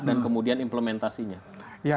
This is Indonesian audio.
dan kemudian implementasinya